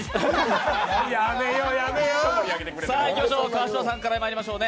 川島さんからいきましょう。